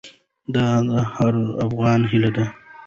دا د هر افغان هیله ده.